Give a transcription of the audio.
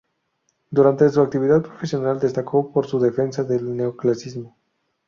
Durante su actividad profesional destacó por su defensa del neoclasicismo.